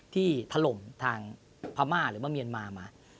ที่ถล่มทางพม่าหรือเมืองเมียนมามา